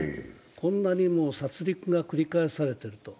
こんなに殺りくが繰り返されていると。